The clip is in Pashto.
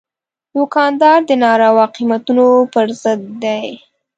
دوکاندار د ناروا قیمتونو پر ضد دی.